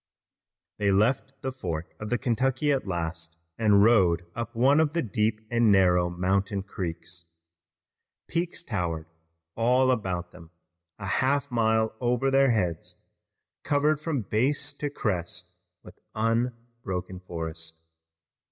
They left the fork of the Kentucky at last and rowed up one of the deep and narrow mountain creeks. Peaks towered all about them, a half mile over their heads, covered from base to crest with unbroken forest.